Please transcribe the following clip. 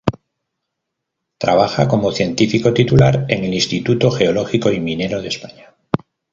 Trabaja como científico titular en el Instituto Geológico y Minero de España.